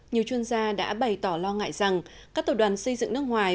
nhiều chuyên gia đã bày tỏ lo ngại rằng các tổ đoàn xây dựng nước ngoài